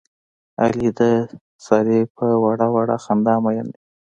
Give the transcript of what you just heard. علي د سارې په وړه وړه خندا مین دی.